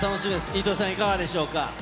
飯豊さん、いかがでしょうか。